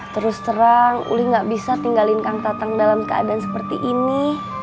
terus terang uli gak bisa tinggalin kang tatang dalam keadaan seperti ini